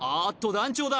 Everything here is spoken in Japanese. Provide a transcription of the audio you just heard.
団長だ